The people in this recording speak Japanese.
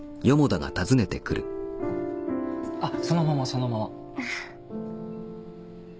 あっそのままそのまま。